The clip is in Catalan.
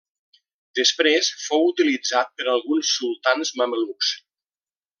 Després fou utilitzat per alguns sultans mamelucs.